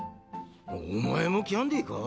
お前もキャンディーか？